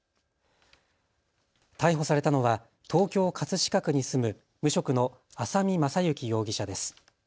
逮捕されたのは東京葛飾区に住む無職の浅見雅之容疑者です。